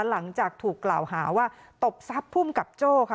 หลังจากถูกกล่าวหาว่าตบทรัพย์ภูมิกับโจ้ค่ะ